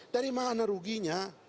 dari mana ruginya